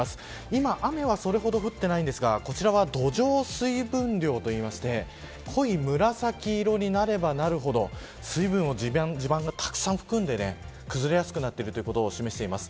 今、雨はそれほど降ってないんですがこちらは土壌水分量といいまして濃い紫色になればなるほど水分を地盤がたくさん含んで崩れやすくなっていることを示しています。